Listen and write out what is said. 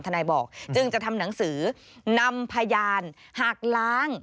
นายบอกจึงจะทำหนังสือนำพยานหักล้าง